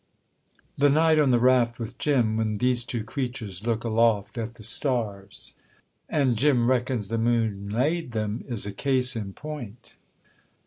The night on the raft with Jim, when these two creatures look aloft at the stars, and Jim reckons the moon laid them, is a case in point.